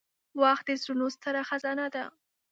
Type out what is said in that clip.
• وخت د زړونو ستره خزانه ده.